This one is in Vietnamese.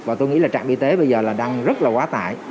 và tôi nghĩ là trạm y tế bây giờ là đang rất là quá tải